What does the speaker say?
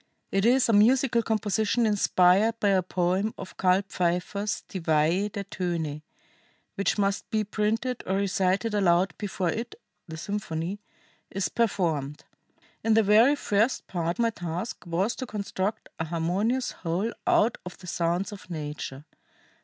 It is a musical composition inspired by a poem of Karl Pfeiffer's Die Weihe der Töne which must be printed or recited aloud before it [the symphony] is performed. In the very first part my task was to construct a harmonious whole out of the sounds of nature.